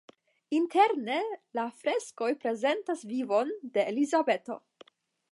Interne la freskoj prezentas vivon de Elizabeto.